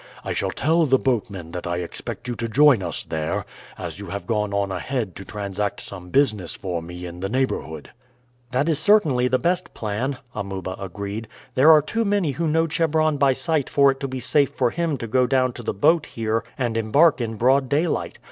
I shall tell the boatmen that I expect you to join us there, as you have gone on ahead to transact some business for me in the neighborhood." "That is certainly the best plan," Amuba agreed. "There are too many who know Chebron by sight for it to be safe for him to go down to the boat here and embark in broad daylight.